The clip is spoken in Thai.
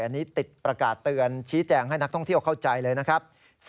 อันนี้ติดประกาศเตือนชี้แจงให้นักท่องเที่ยวเข้าใจเลยนะครับ